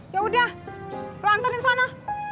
yaudah lo ngantarin sana